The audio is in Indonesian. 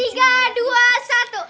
tiga dua satu